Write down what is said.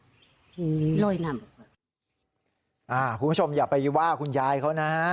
คุณผู้ชมอย่าไปว่าคุณยายเขานะฮะ